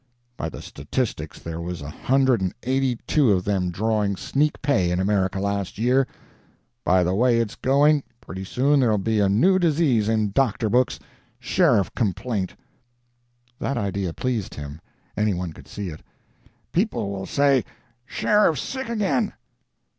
By the statistics there was a hundred and eighty two of them drawing sneak pay in America last year. By the way it's going, pretty soon there 'll be a new disease in the doctor books sheriff complaint." That idea pleased him any one could see it. "People will say, 'Sheriff sick again?'